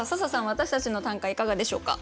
私たちの短歌いかがでしょうか？